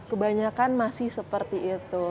kebanyakan masih seperti itu